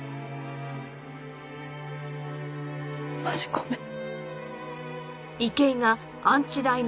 マジごめん。